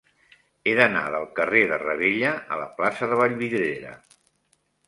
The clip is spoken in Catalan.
He d'anar del carrer de Ravella a la plaça de Vallvidrera.